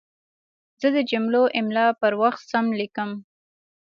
زه د جملو املا پر وخت سم لیکم.